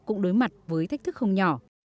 cũng đối mặt với thách thức không nhỏ